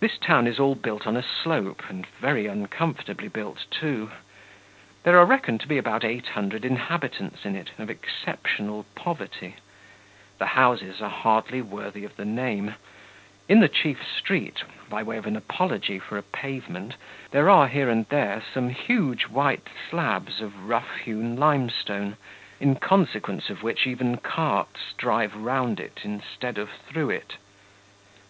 This town is all built on a slope, and very uncomfortably built, too. There are reckoned to be about eight hundred inhabitants in it, of exceptional poverty; the houses are hardly worthy of the name; in the chief street, by way of an apology for a pavement, there are here and there some huge white slabs of rough hewn limestone, in consequence of which even carts drive round it instead of through it.